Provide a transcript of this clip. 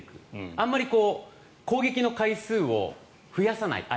あまり相手の攻撃の回数を増やさない。